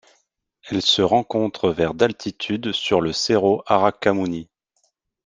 Elle se rencontre vers d'altitude sur le Cerro Aracamuni.